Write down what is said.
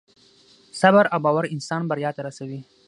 صبر او باور انسان بریا ته رسوي.